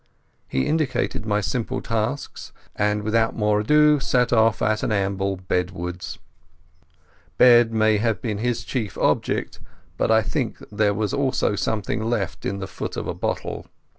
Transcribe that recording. He indicated my simple tasks, and without more ado set off at an amble bedwards. Bed may have been his chief object, but I think there was also something left in the foot of a bottle.